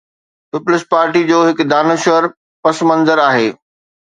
Peoples Party جو هڪ دانشور پس منظر آهي.